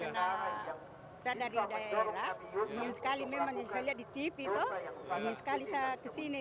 karena saya dari daerah ingin sekali memang saya lihat di tv itu ingin sekali saya ke sini